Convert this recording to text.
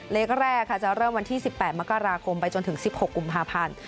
เลขแรกค่ะจะเริ่มวันที่๑๘มกราคมไปจนถึง๑๖กุมภาพันธ์